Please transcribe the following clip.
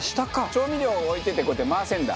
調味料を置いててこうやって回せるんだ。